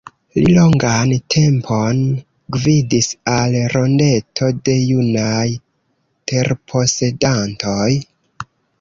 Li longan tempon gvidis al Rondeto de Junaj Terposedantoj.